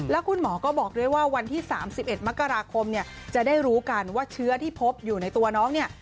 แล้วคุณหมอก็บอกด้วยว่าวันที่๓๑มกราคมเนี่ยจะได้รู้กันว่าเชื้อที่พบอยู่ในตัวน้องเนี่ย